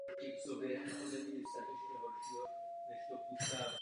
Později působil jako úspěšný grafik a portrétní malíř a hodně cestoval.